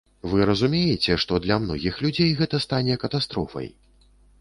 Вы разумееце, што для многіх людзей гэта стане катастрофай?